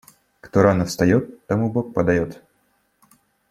Кто рано встаёт, тому Бог подаёт.